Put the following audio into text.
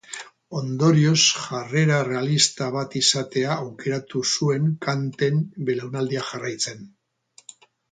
Ondorioz jarrera errealista bat izatea aukeratu zuen Kanten belaunaldia jarraitzen.